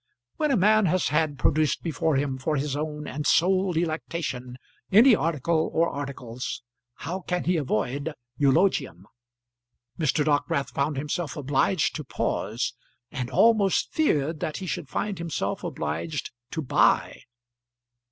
When a man has had produced before him for his own and sole delectation any article or articles, how can he avoid eulogium? Mr. Dockwrath found himself obliged to pause, and almost feared that he should find himself obliged to buy.